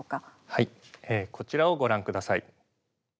はい、こちらをご覧ください。